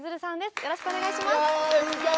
よろしくお願いします。